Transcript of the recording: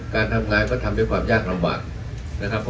การทำงานก็ทำด้วยความยากลำบากนะครับ